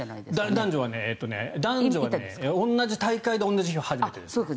男女は同じ大会で同じ日は初めてです。